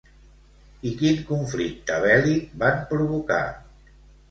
I quin conflicte bèl·lic van provocar?